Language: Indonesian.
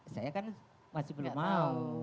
saya kan masih belum mau